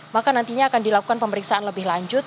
maka nantinya akan dilakukan pemeriksaan lebih lanjut